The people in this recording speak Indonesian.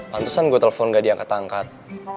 pantesan gue telepon gak diangkat angkat